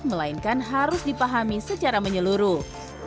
melainkan harus dipahami secara menyeluruh